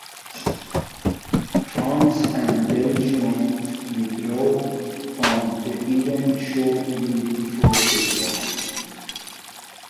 France and Belgium withdrew from the event shortly before the draw.